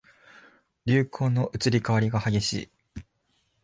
流行の移り変わりが激しい